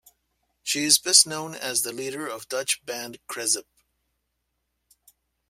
She is best known as the leader of Dutch band Krezip.